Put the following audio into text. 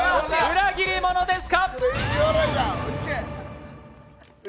裏切り者です。